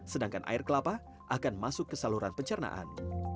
sedangkan air kelapa akan masuk ke saluran pencernaan